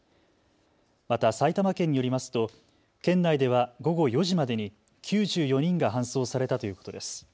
また埼玉県によりますと県内では午後４時までに９４人が搬送されたということです。